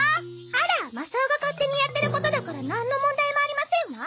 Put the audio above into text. あらマサオが勝手にやってることだからなんの問題もありませんわ。